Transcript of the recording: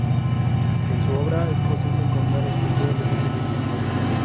En su obra es posible encontrar esculturas de múltiples formatos.